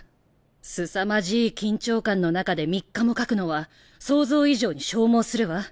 すさまじい緊張感の中で３日も描くのは想像以上に消耗するわ。